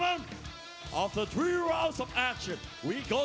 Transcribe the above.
ประโยชน์ทอตอร์จานแสนชัยกับยานิลลาลีนี่ครับ